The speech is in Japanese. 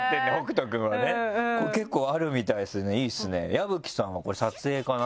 矢吹さんはこれ撮影かな？